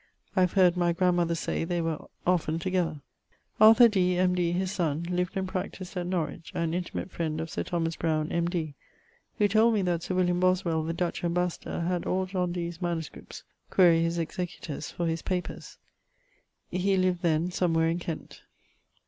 I have heard my grandmother say they were often together. Arthur Dee, M.D., his son, lived and practised at Norwich, an intimate friend of Sir Thomas Browne, M.D., who told me that Sir William Boswell, the Dutch ambassador, had all John Dee's MSS.: quaere his executors for his papers. He lived then somewhere in Kent.